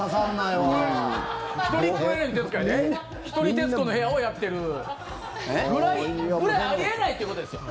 「徹子の部屋」をやってるぐらいあり得ないってことですよ。